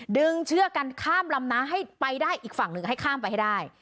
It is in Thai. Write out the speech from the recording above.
เชือกกันข้ามลำน้ำให้ไปได้อีกฝั่งหนึ่งให้ข้ามไปให้ได้